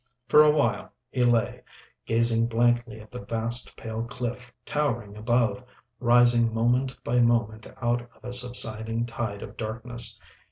For a while he lay, gazing blankly at the vast, pale cliff towering above, rising moment by moment out of a subsiding tide of darkness.